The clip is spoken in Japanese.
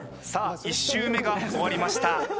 １周目が終わりました。